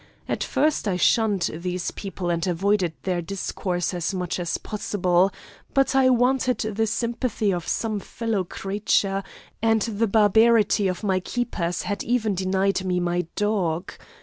At first I shunned these people, and avoided their discourse as much as possible; but I wanted the sympathy of some fellow creature, and the barbarity of my keepers had even denied me my dog.